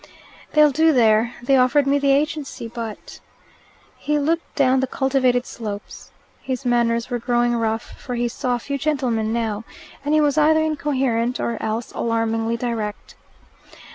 "They'll do there. They offered me the agency, but " He looked down the cultivated slopes. His manners were growing rough, for he saw few gentlemen now, and he was either incoherent or else alarmingly direct.